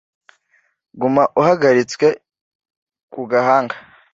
guma uhagaritswe ku gahanga